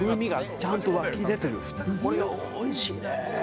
これはおいしいねえ